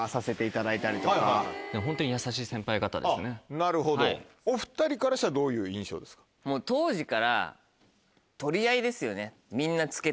なるほどお２人からしたらどういう印象ですか？